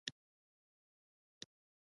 په کې هېڅ خوند پاتې نه دی